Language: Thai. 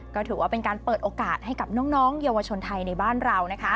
ก็ถือว่าเป็นการเปิดโอกาสให้กับน้องเยาวชนไทยในบ้านเรานะคะ